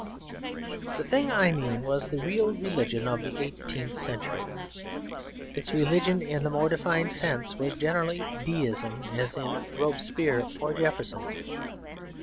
The thing I mean was the real religion of the eighteenth century. Its religion, in the more defined sense, was generally Deism, as in Robespierre or Jefferson.